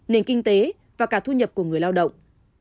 nền kinh tế và cả thu nhập của người lao động